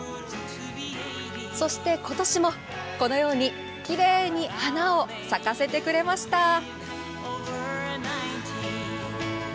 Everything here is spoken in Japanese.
そして、今年も、このようにきれいに花を咲かせてくれました。